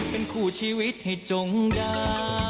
สอนหน่อยจ้า